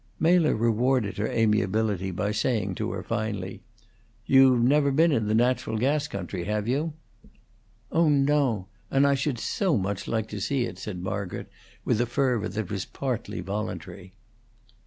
Mela rewarded her amiability by saying to her, finally, "You've never been in the natural gas country, have you?" "Oh no! And I should so much like to see it!" said Margaret, with a fervor that was partly voluntary.